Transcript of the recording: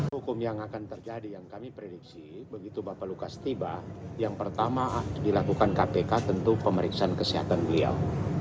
hukum yang akan terjadi yang kami prediksi begitu bapak lukas tiba yang pertama dilakukan kpk tentu pemeriksaan kesehatan beliau